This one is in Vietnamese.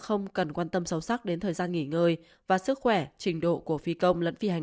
không cần quan tâm sâu sắc đến thời gian nghỉ ngơi và sức khỏe trình độ của phi công lẫn phi hành